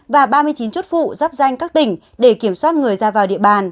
và ba mươi chín chốt phụ dắp danh các tỉnh để kiểm soát người ra vào địa bàn